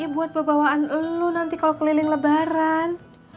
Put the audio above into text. buat pembawaan lo nanti kalau keliling lebaran